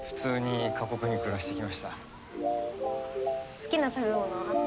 好きな食べ物は？